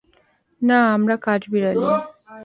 না, আমরা কাঠবিড়ালী।